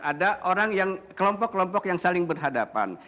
ada orang yang kelompok kelompok yang saling berhadapan